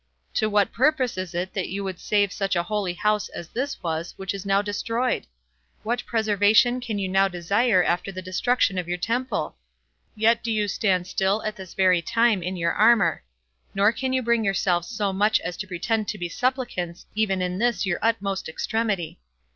To what purpose is it that you would save such a holy house as this was, which is now destroyed? What preservation can you now desire after the destruction of your temple? Yet do you stand still at this very time in your armor; nor can you bring yourselves so much as to pretend to be supplicants even in this your utmost extremity.